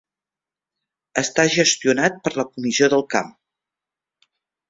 Està gestionat per la comissió del camp.